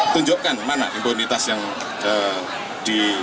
tunjukkan mana impunitas yang di